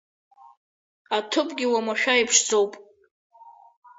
Аҭыԥгьы уамашәа иԥшӡоуп.